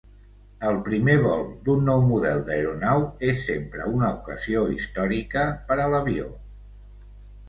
El primer vol d'un nou model d'aeronau és sempre una ocasió històrica per a l'avió.